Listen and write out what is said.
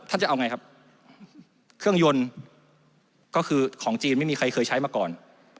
จะเอาไงครับเครื่องยนต์ก็คือของจีนไม่มีใครเคยใช้มาก่อน